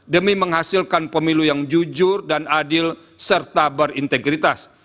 demi menghasilkan pemilu yang jujur dan adil serta berintegritas